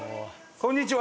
こんにちは。